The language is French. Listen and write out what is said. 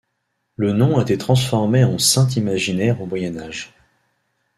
Le nom a été transformé en saint imaginaire au Moyen Âge.